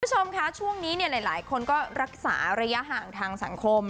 คุณผู้ชมคะช่วงนี้เนี่ยหลายคนก็รักษาระยะห่างทางสังคม